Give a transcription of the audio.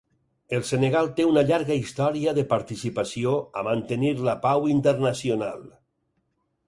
El Senegal té una llarga història de participació a mantenir la pau internacional.